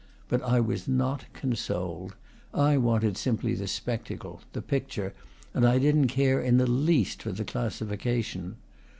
But I was not consoled. I wanted simply the spectacle, the picture, and I didn't care in the least for the classification.